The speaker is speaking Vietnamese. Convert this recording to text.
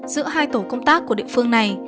giữa hai tổ công tác của địa phương này